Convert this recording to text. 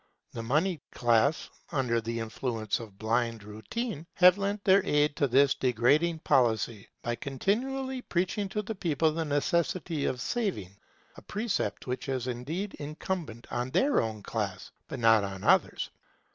The monied classes, under the influence of blind routine, have lent their aid to this degrading policy, by continually preaching to the people the necessity of saving; a precept which is indeed incumbent on their own class, but not on others.